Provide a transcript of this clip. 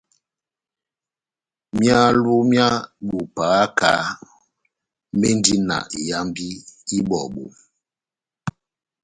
Myálo mya bo pahaka mendi na iyambi ibɔbu.